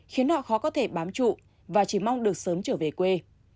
khiến họ khó có thể bám trụ và chỉ mong được sớm trở về quê